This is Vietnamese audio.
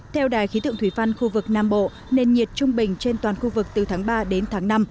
theo đài khí tượng thủy văn khu vực nam bộ nền nhiệt trung bình trên toàn khu vực từ tháng ba đến tháng năm